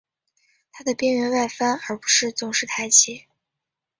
它的边缘外翻而不是总是抬起。